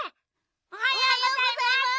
おはようございます！